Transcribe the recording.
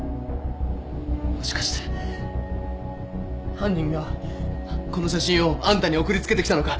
もしかして犯人がこの写真をあんたに送り付けてきたのか？